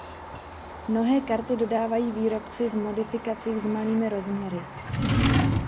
Mnohé karty dodávají výrobci v modifikacích s malými rozměry.